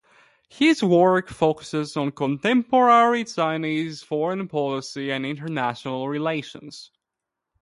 His work focuses on contemporary Chinese foreign policy and international relations.